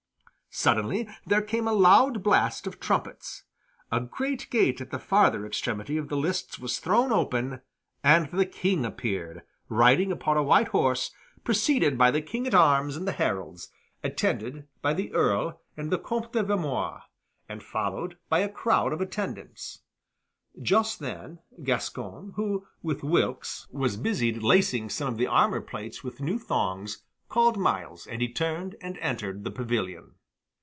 Suddenly there came a loud blast of trumpets. A great gate at the farther extremity of the lists was thrown open, and the King appeared, riding upon a white horse, preceded by the King at arms and the heralds, attended by the Earl and the Comte de Vermoise, and followed by a crowd of attendants. Just then Gascoyne, who, with Wilkes, was busied lacing some of the armor plates with new thongs, called Myles, and he turned and entered the pavilion.